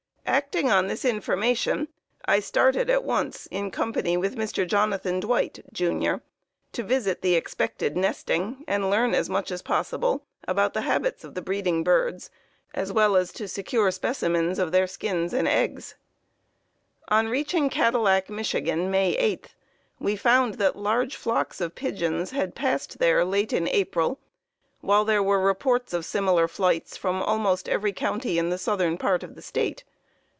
Acting on this information, I started at once, in company with Mr. Jonathan Dwight, Jr., to visit the expected 'nesting' and learn as much as possible about the habits of the breeding birds, as well as to secure specimens of their skins and eggs. "On reaching Cadillac, Michigan, May 8, we found that large flocks of pigeons had passed there late in April, while there were reports of similar flights from almost every county in the southern part of the State.